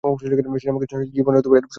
শ্রীরামকৃষ্ণের জীবন এরূপ সমন্বয়পূর্ণ ছিল।